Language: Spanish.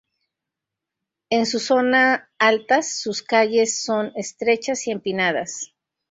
En su zona altas, sus calles son estrechas y empinadas.